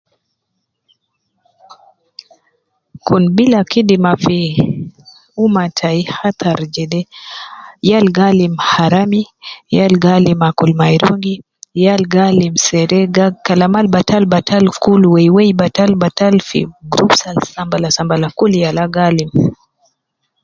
Kun bila kidima fi, ummah tayi khattar jede, yal gi alim harami, yal gi alim akul mairungi, yal gi alim serega kalama al batalbatal kul weiwei batalbatal fi groups ab sambalasambala kulu yala gi alim.